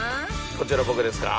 こちら僕ですか？